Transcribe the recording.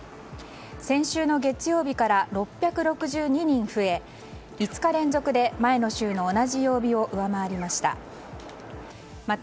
先週の月曜日から６６２人増え５日連続で前の週の同じ曜日を上回りました。